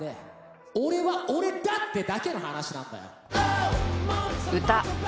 俺は俺だってだけの話なんだよ。